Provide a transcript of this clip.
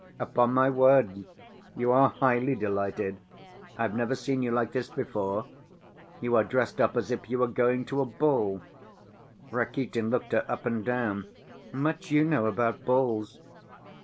"Upon my word! You are highly delighted ... I've never seen you like this before. You are dressed up as if you were going to a ball." Rakitin looked her up and down. "Much you know about balls."